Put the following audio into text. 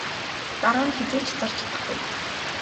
Дараа нь хэзээ ч зарж чадахгүй.